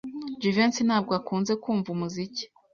Jivency ntabwo akunze kumva umuziki.